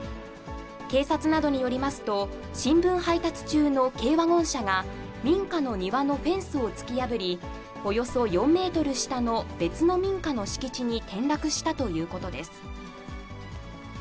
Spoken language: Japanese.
警察などによりますと、新聞配達中の軽ワゴン車が、民家の庭のフェンスを突き破り、およそ４メートル下の別の民家の敷地に転落したということです。